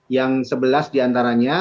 yang sebelas diantaranya